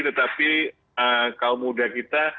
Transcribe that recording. tetapi kaum muda kita